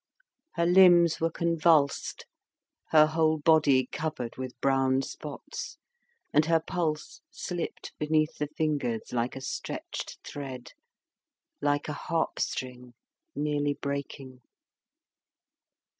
Her limbs were convulsed, her whole body covered with brown spots, and her pulse slipped beneath the fingers like a stretched thread, like a harp string nearly breaking.